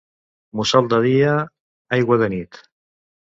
Mussol de dia, aigua de nit.